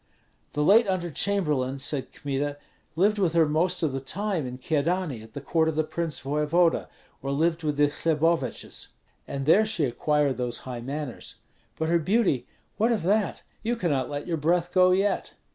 "The late under chamberlain," said Kmita, "lived with her most of the time in Kyedani, at the court of the prince voevoda, or lived with the Hleboviches; and there she acquired those high manners. But her beauty, what of that? You cannot let your breath go yet."